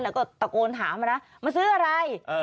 แล้วก็ตะโกนถามมานะมาซื้ออะไร